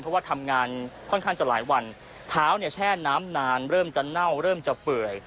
เพราะว่าทำงานค่อนข้างจะหลายวันเท้าเนี่ยแช่น้ำนานเริ่มจะเน่าเริ่มจะเปื่อย